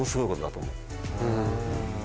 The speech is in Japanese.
うん。